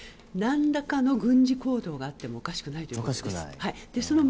何らかの軍事行動があってもおかしくないということです。